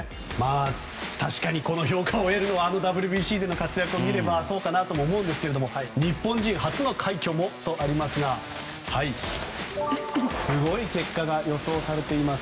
確かにこの評価を得るのはあのＷＢＣでの活躍を見ればそうかなと思うんですけど日本人初の快挙もとありますがすごい結果が予想されています。